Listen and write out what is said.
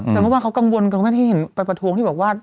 แต่เมื่อวานเขากังวลกันก็ไม่ได้เห็นไปประท้วงที่บอกว่า